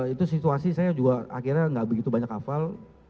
itu situasi saya juga akhirnya nggak begitu banyak hafal